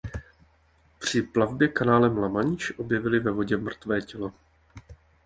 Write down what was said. Při plavbě kanálem La Manche objeví ve vodě mrtvé tělo.